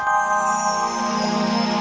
apakah ini dia